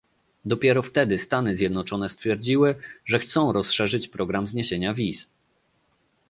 Dopiero wtedy Stany Zjednoczone stwierdziły, że chcą rozszerzyć program zniesienia wiz